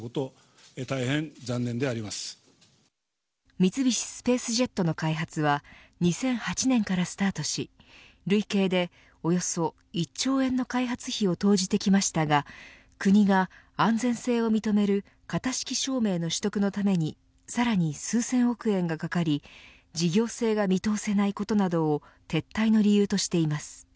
三菱スペースジェットの開発は２００８年からスタートし累計でおよそ１兆円の開発費を投じてきましたが国が安全性を認める型式証明の取得のためにさらに数千億円がかかり事業性が見通せないことなどを撤退の理由としています。